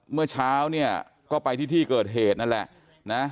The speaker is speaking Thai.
เมื่อเช้าเนี่ยก็ไปที่ที่เกิดเหตุนั่นแหละนะ